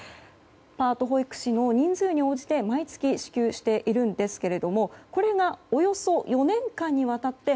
パート保育士の人数に応じて毎月支給しているんですがこれがおよそ４年間にわたって